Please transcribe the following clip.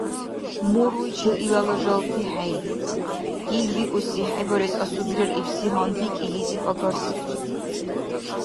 Муруйчил илала жалти хӀейри, ил викӀуси хӀебарес асубирар ибси гьанбик илизиб агарсири.